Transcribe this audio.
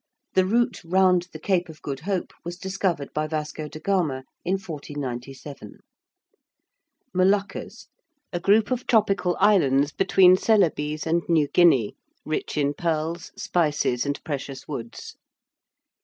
The route round the Cape of Good Hope was discovered by Vasco de Gama in 1497. ~Moluccas~: a group of tropical islands between Celebes and New Guinea, rich in pearls, spices, and precious woods.